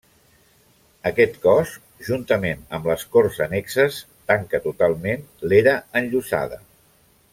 Aquest cos, juntament amb les corts annexes, tanca totalment l'era enllosada.